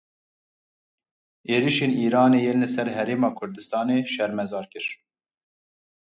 Êrişên Îranê yên li ser Herêma Kurdistanê şermezar kir.